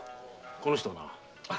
この人はな。